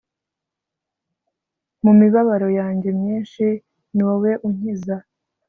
mu mibabaro yanjye myinshi niwowe unkiza